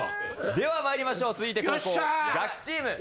ではまいりましょう続いて後攻ガキチーム。